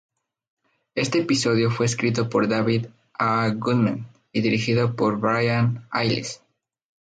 Este episodio fue escrito por David A. Goodman y dirigido por Brian Iles.